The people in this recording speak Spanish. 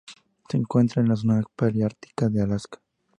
Se encuentra en la zona paleártica y Alaska.